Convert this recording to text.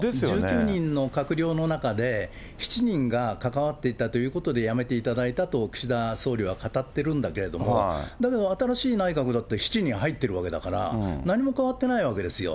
１９人の閣僚の中で、７人が関わっていたということで辞めていただいたと岸田総理は語ってるんだけども、だけど新しい内閣だって７人入ってるわけだから、何も変わってないわけですよ。